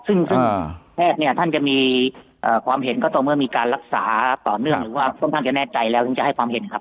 ซึ่งแพทย์เนี่ยท่านจะมีความเห็นก็ตรงเมื่อมีการรักษาต่อเนื่องหรือว่าค่อนข้างจะแน่ใจแล้วถึงจะให้ความเห็นครับ